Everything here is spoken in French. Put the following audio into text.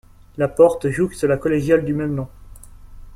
La porte jouxte la Collégiale du même nom.